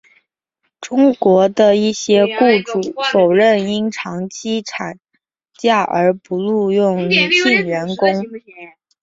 中国的一些雇主否认因长期产假而不录用女性员工。